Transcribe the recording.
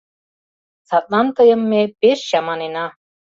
Садлан тыйым ме пеш чаманена.